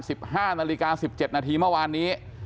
สิบห้านาฬิกาสิบเจ็ดนาทีเมื่อวานนี้